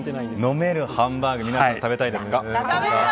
飲めるハンバーグ皆さん、食べたいですか？